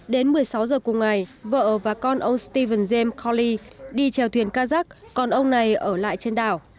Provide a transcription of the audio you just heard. đến một mươi sáu h cuối ngày vợ và con ông stephen james cawley đi trèo thuyền kazakh con ông này ở lại trên đảo